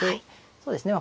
そうですね。